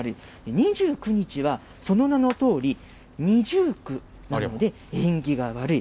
２９日はその名のとおり、二重苦になるので縁起が悪い。